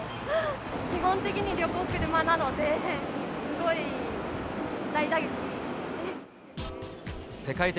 基本的に旅行車なので、すごい大打撃。